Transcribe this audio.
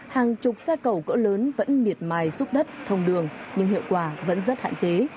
hàng chục xe cầu cỡ lớn vẫn miệt mài xúc đất thông đường nhưng hiệu quả vẫn rất hạn chế